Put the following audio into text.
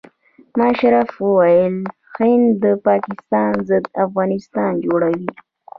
مشرف وویل هند د پاکستان ضد افغانستان جوړوي.